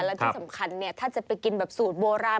และที่สำคัญเนี่ยถ้าจะไปกินแบบสูตรโบราณ